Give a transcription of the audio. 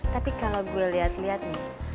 tapi kalau gue liat liat nih